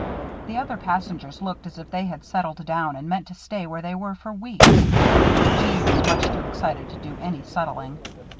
The other passengers looked as if they had settled down and meant to stay where they were for weeks; but Jeanne was much too excited to do any settling.